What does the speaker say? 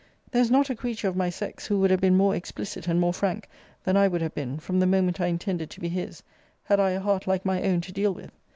There is not a creature of my sex, who would have been more explicit, and more frank, than I would have been, from the moment I intended to be his, had I a heart like my own to deal with.